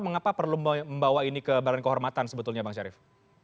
mengapa perlu membawa ini ke badan kehormatan sebetulnya bang syarif